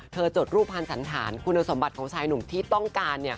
จดรูปภัณฑ์สันธารคุณสมบัติของชายหนุ่มที่ต้องการ